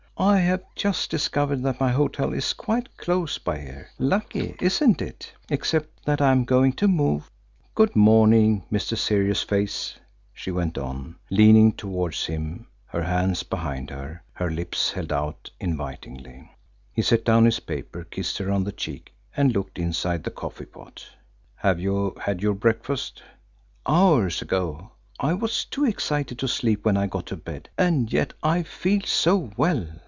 I have just discovered that my hotel is quite close by here. Lucky, isn't it, except that I am going to move. Good morning, Mr. Serious Face!" she went on, leaning towards him, her hands behind her, her lips held out invitingly. He set down his paper, kissed her on the cheek, and looked inside the coffeepot. "Have you had your breakfast?" "Hours ago. I was too excited to sleep when I got to bed, and yet I feel so well.